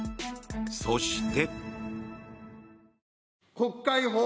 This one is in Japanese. そして。